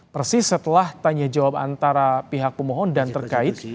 persis setelah tanya jawab antara pihak pemohon dan terkait